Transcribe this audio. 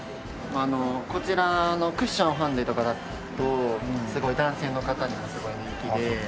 こちらのクッションファンデとかだとすごい男性の方にもすごい人気で。